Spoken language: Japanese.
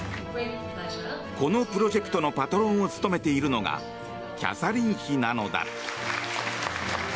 このプロジェクトのパトロンを務めているのがキャサリン妃なのだ。